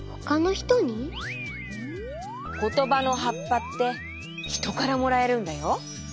ことばのはっぱってひとからもらえるんだよ。